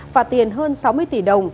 và tiền hơn sáu mươi tỷ đồng